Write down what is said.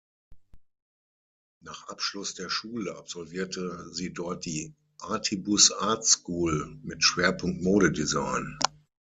Nach Abschluss der Schule absolvierte sie dort die "Artibus Art School" mit Schwerpunkt Modedesign.